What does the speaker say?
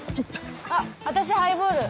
あっ私ハイボール。